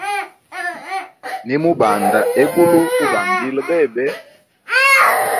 Nimubanda egulu, ubambila bebe.